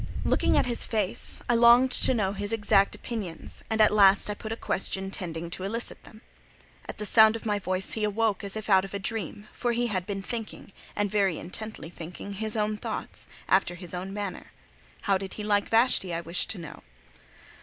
Looking at his face, I longed to know his exact opinions, and at last I put a question tending to elicit them. At the sound of my voice he awoke as if out of a dream; for he had been thinking, and very intently thinking, his own thoughts, after his own manner. "How did he like Vashti?" I wished to know.